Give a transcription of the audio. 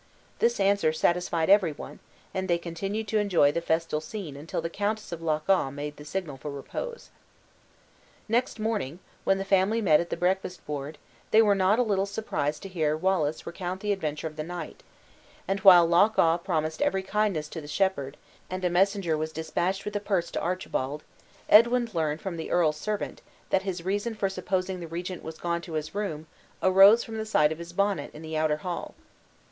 This answer satisfied every one, and they continued to enjoy the festal scene until the Countess of Loch awe made the signal for repose. Next morning, when the family met at the breakfast board, they were not a little surprised to hear Wallace recount the adventure of the night; and while Loch awe promised every kindness to the shepherd, and a messenger was dispatched with a purse to Archibald Edwin learned from the earl's servant, that his reason for supposing the regent was gone to his room arose from the sight of his bonnet in the outer hall.